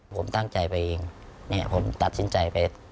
ผมตั้งใจไปเองเนี่ยผมตัดสินใจไป